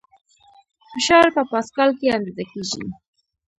فشار په پاسکال کې اندازه کېږي.